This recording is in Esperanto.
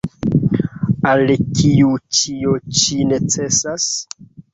Al kiu ĉio ĉi necesas?